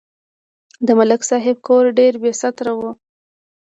د ملک صاحب کور ایر بېستره و.